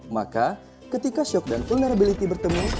maka ketika shock dan vulnerability bertemu